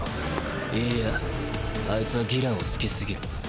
いいやあいつは義爛を好き過ぎる。